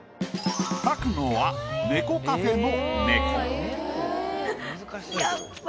描くのは猫カフェの。